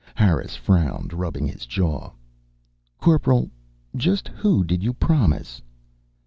Harris frowned, rubbing his jaw. "Corporal, just who did you promise?"